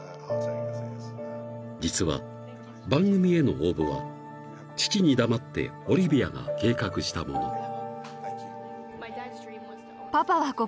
［実は番組への応募は父に黙ってオリビアが計画したもの］